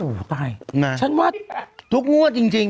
อู๋ครันฉันว่าทุกงวดจริง